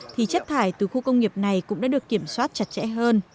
thì chất thải từ khu công nghiệp này cũng đã được kiểm soát chặt chẽ hơn